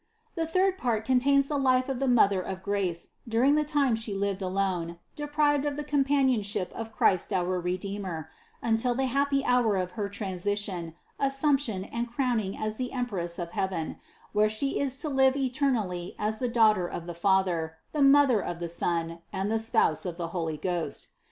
The third part contains the life of the Mother of grace during the time She lived alone, deprived of the companionship of Christ our Redeemer, until the happy hour of her transition, assumption and crowning as the Empress of heaven, where She is to live eternally as the Daughter of the Father, the Mother of the Son and the Spouse of the Holy Ghost.